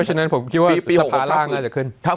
ฉะนั้นผมคิดว่าสภาร่างน่าจะขึ้น